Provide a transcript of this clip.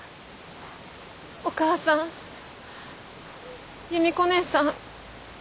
お母さん夕美子姉さん。